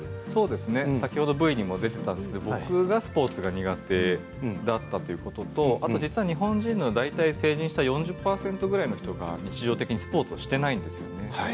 先ほどＶＴＲにも出ていたんですが僕がスポーツが苦手だったということと実際、日本人の体で成人した４０％くらいの人が日常的にスポーツをしていないんですね。